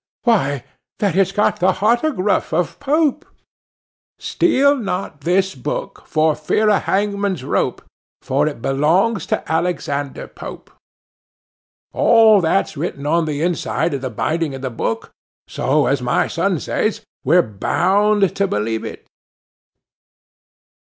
why, that it's got the hottergruff of Pope. "Steal not this book, for fear of hangman's rope; For it belongs to Alexander Pope." All that's written on the inside of the binding of the book; so, as my son says, we're bound to believe it.